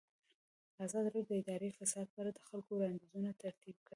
ازادي راډیو د اداري فساد په اړه د خلکو وړاندیزونه ترتیب کړي.